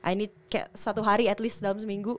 i need kayak satu hari at least dalam seminggu